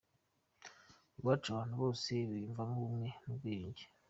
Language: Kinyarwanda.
Iwacu abantu bose biyumvamo ubumwe n’ubwiyunge.